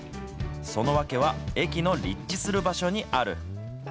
その訳は、駅の立地する場所にある。